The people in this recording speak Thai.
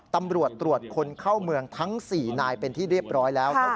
ตำรวจตรวจคนเข้าเมืองทั้ง๔นายเป็นที่เรียบร้อยแล้วครับ